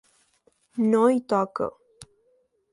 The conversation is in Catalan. No hi toca.